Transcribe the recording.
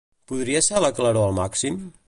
Podria ser la claror al màxim?